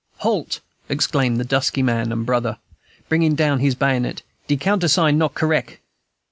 "Halt!" exclaimed this dusky man and brother, bringing down his bayonet, "de countersign not correck."